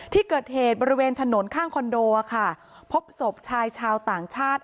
ที่เกิดเหตุบริเวณถนนข้างคอนโดค่ะพบศพชายชาวต่างชาติ